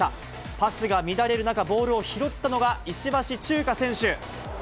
パスが乱れる中、ボールを拾ったのが石橋チューカ選手。